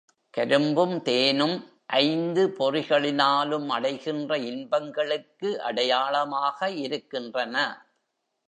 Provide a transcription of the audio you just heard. கரும்பும் தேனும் ஐந்து பொறிகளினாலும் அடைகின்ற இன்பங்களுக்கு அடையாளமாக இருக்கின்றன.